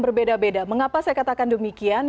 berbeda beda mengapa saya katakan demikian